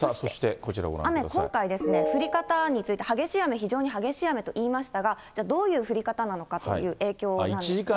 雨、今回ですね、降り方について、激しい雨、非常にー激しい雨といいましたが、どういう降りかたなのかという影響なんですが。